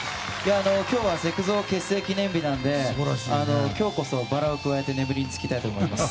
今日はセクゾ結成記念日なので今日こそバラをくわえて眠りに就きたいと思います。